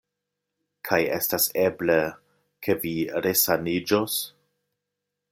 Kaj estas eble, ke vi resaniĝos?